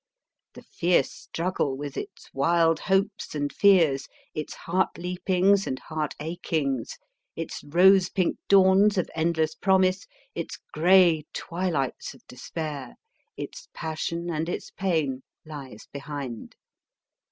The fierce struggle, with its wild hopes and fears, its heart leapings and heart achings, its rose pink dawns of end less promise, its grey twilights of despair, its passion and its pain, lies behind.